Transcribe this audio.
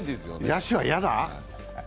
野手は嫌だ？